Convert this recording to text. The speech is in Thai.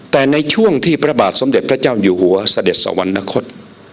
แต่ในช่วงที่พระบาทสมเด็จพระเจ้าอยู่หัวเสด็จสวรรณคต